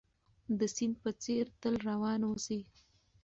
د سيند په څېر تل روان اوسئ.